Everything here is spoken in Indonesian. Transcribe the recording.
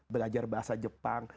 belajar bahasa jepang